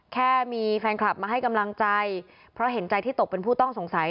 แค่มีแฟนคลับมาให้กำลังใจเพราะเห็นใจที่ตกเป็นผู้ต้องสงสัย